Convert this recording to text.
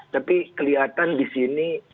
tapi kelihatan disini